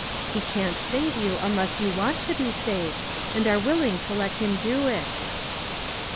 He can't save you unless you want to be saved, and are willing to let him do it."